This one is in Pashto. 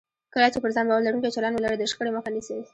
کله چې پر ځان باور لرونکی چلند ولرئ، د شخړې مخه نیسئ.